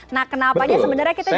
nah kenapanya sebenarnya kita juga